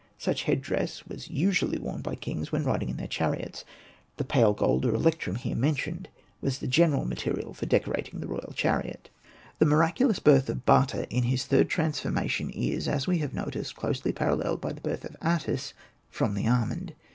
Such head dress was usually worn by kings when riding in their chariots. The pale gold or electrum h^re mentioned was the general material for decorating the royal chariot, Hosted by Google 84 ANPU AND BATA The miraculous birth of Bata in his third transformation is, as we have noticed, closely paralleled by the birth of Atys from the almond.